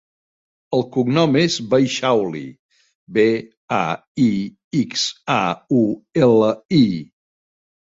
El cognom és Baixauli: be, a, i, ics, a, u, ela, i.